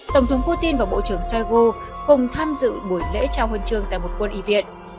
tổng thống putin và bộ trưởng shoigu cùng tham dự buổi lễ trao huân trường tại một quân y viện